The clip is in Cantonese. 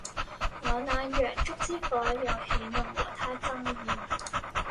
我那洋燭之火又豈能和他爭艷